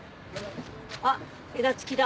あっ枝付きだ。